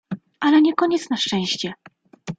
"Ale nie koniec na szczęście!"